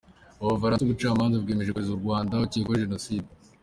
U Bufaransa Ubucamanza bwemeje kohereza mu Rwanda ukekwaho jenoside